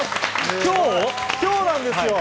今日なんです。